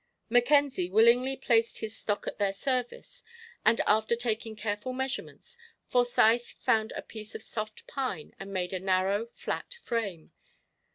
Mackenzie willingly placed his stock at their service, and, after taking careful measurements, Forsyth found a piece of soft pine and made a narrow, flat frame.